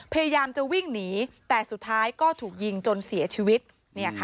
พยายามจะวิ่งหนีแต่สุดท้ายก็ถูกยิงจนเสียชีวิตเนี่ยค่ะ